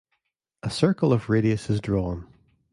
A circle of radius is drawn.